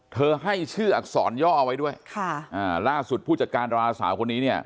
ให้ชื่ออักษรย่อไว้ด้วยค่ะอ่าล่าสุดผู้จัดการดาราสาวคนนี้เนี่ย